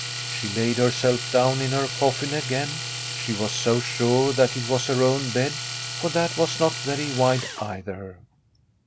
She laid herself down in her coffin again; she was so sure that it was her own bed, for that was not very wide either.